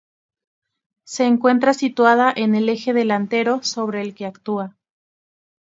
Se encuentra situada en el eje delantero sobre el que actúa.